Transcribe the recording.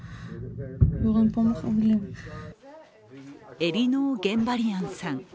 エリノー・ゲンバリアンさん。